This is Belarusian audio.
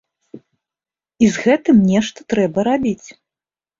І з гэтым нешта трэба рабіць.